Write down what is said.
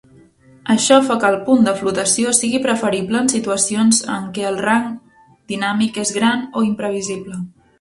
Això fa que el punt de flotació sigui preferible en situacions en què el rang dinàmic és gran o imprevisible.